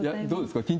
どうですか？